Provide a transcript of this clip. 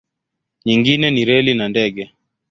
Nyingine ni reli na ndege.